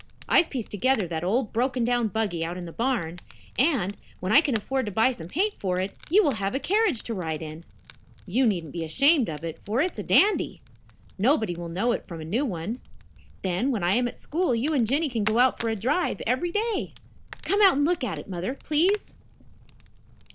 I've pieced together that old broken down buggy out in the barn, and, when I can afford to buy some paint for it, you will have a carriage to ride in. You needn't be ashamed of it, for it's a dandy. Nobody will know it from a new one. Then, when I am at school, you and Jinny can go out for a drive every day. Come out and look at it, Mother, please."